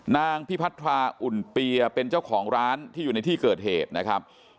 นางพิพัทราอุ่นเปียเป็นเจ้าของร้านที่อยู่ในที่เกิดเหตุนะครับ